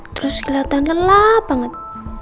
terus kelihatan gelap banget